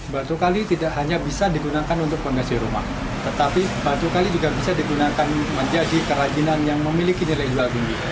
batu kali tidak hanya bisa digunakan untuk kondisi rumah tetapi batu kali juga bisa digunakan menjadi kerajinan yang memiliki nilai dua gumi